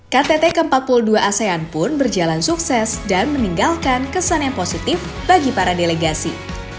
ktt ke empat puluh dua asean pun berjalan sukses dan meninggalkan kesan yang positif bagi para delegasi